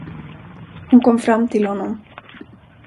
Hon kom fram till honom.